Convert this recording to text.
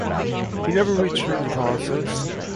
He never returned to politics.